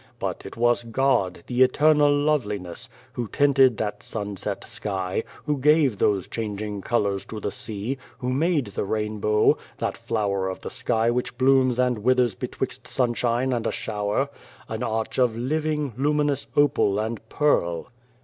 But it was God, the Eternal Loveliness, who tinted that sunset sky, who gave those changing colours to the sea, who made the rainbow that flower of the sky which blooms and withers betwixt sunshine and a shower an arch of living, luminous opal and pearl.